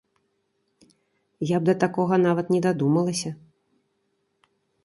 Я б да такога нават не дадумалася!